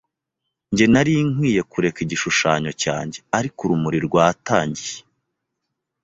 njye, Nari nkwiye kureka igishushanyo cyanjye. Ariko urumuri rwatangiye